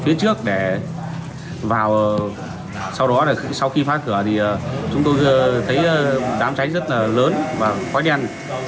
phía trước để vào sau đó là sau khi phá cửa thì chúng tôi thấy đám cháy rất là lớn và khói đen